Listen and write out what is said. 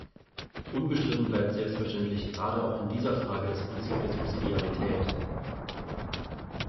Unbestritten bleibt selbstverständlich gerade auch in dieser Frage das Prinzip der Subsidiarität.